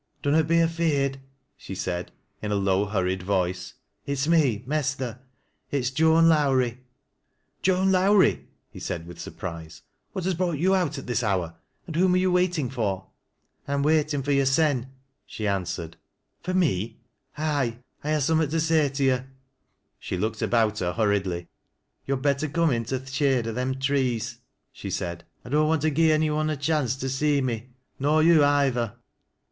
" Dunnot be afeard," she said, in a low, hurried voice. " It's me, mester — it's Joan Lowrie." " Joan Lowrie !" he said with surprise. " What has brought you out at this hour, and whom are you waiting for?" " I'm waiting for yo'rsen," she answered. " For me ?"" Aye ; I ha' summat t>) say to you." She looked about her hurriedly. " Yo'd better come into th' shade o' them t ees," she «aid^ " I dunnot want to gi' any one a chance to see me nor yo' either."